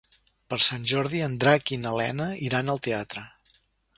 Per Sant Jordi en Drac i na Lena iran al teatre.